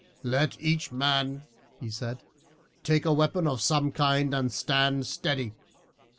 "Let each man," he said, "take a weapon of some kind and stand steady.